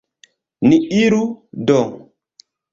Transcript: Ni iru, do.